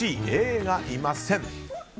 Ａがいません。